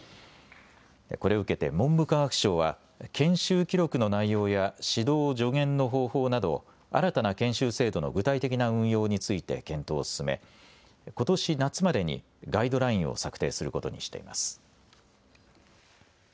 これを受けて文部科学省は研修記録の内容や指導、助言の方法など新たな研修制度の具体的な運用について検討を進めことし夏までまでにガイドラインを策定することにしています。